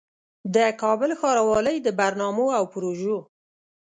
د کابل ښاروالۍ د برنامو او پروژو